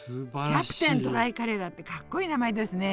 キャプテンドライカレーだってかっこいい名前ですね。